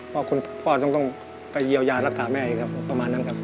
ว่าคุณพ่อต้องไปเยี่ยวยานลักษาแม่ครับ